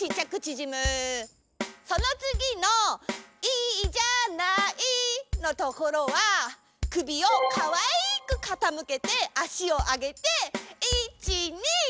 そのつぎの「いいじゃない」のところは首をかわいくかたむけてあしをあげて「いち、に！」。